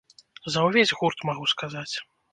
За ўвесь гурт магу сказаць.